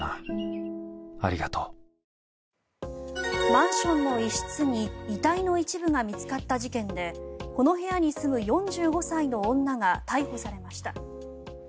マンションの一室で一部の遺体が見つかった事件でこの部屋に住む４５歳の女が逮捕されました。